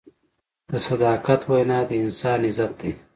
د صداقت وینا د انسان عزت دی.